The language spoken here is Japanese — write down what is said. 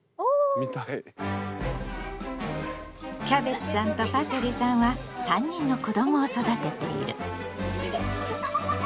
キャベツさんとパセリさんは３人の子どもを育てている。